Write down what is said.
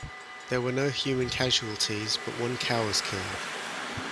There were no human casualties, but one cow was killed.